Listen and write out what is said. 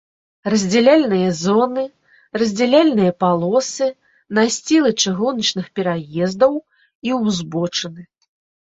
Раздзяляльныя зоны, раздзяляльныя палосы, насцілы чыгуначных пераездаў і ўзбочыны